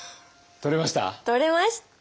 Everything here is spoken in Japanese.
取れました！